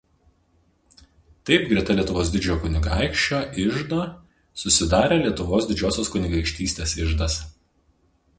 Taip greta Lietuvos didžiojo kunigaikščio iždo susidarė Lietuvos Didžiosios kunigaikštystės iždas.